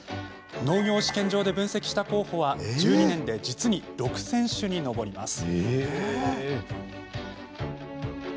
農業試験場で分析した候補は１２年で実に６０００種に上ります。